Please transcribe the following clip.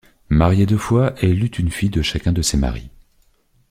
Mariée deux fois, elle eut une fille de chacun de ses maris.